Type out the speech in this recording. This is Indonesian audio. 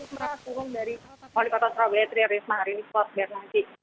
berasurung dari wali kota surabaya tri risma hari ini fuad bernardi